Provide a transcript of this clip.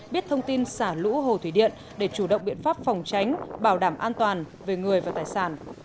biết thông tin xả lũ hồ thủy điện để chủ động biện pháp phòng tránh bảo đảm an toàn về người và tài sản